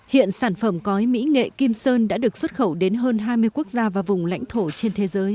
hiện sản phẩm cói mỹ nghệ kim sơn đã được xuất khẩu đến hơn hai mươi quốc gia và vùng lãnh thổ trên thế giới